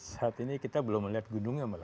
saat ini kita belum melihat gunungnya mbak